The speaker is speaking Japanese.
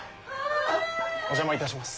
お邪魔いたします。